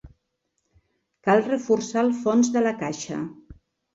Cal reforçar el fons de la caixa.